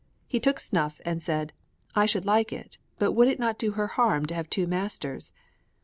He took snuff and said, "I should like it, but would it not do her harm to have two masters?"